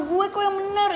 gue kok yang bener